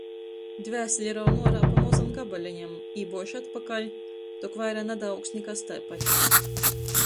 Dvēseli raun uorā pa mozam gabaleņam, ībuož atpakaļ, tok vaira nadaaugs nikas taipat.